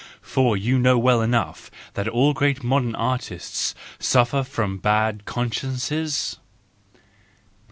For you know well enough that all great modern artists suffer from bad consciences